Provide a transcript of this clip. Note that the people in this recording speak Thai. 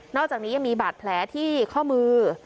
อกจากนี้ยังมีบาดแผลที่ข้อมือ